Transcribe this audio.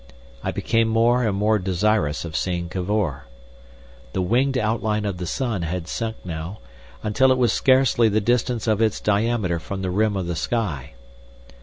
I became more and more desirous of seeing Cavor. The winged outline of the sun had sunk now, until it was scarcely the distance of its diameter from the rim of the sky.